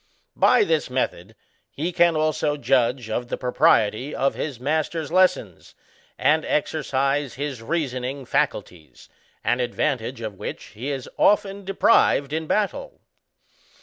By this method, he can also judge of the propriety of his master's lessons, and exercise his reasoning faculties, an advantage of which he is often deprived in battle.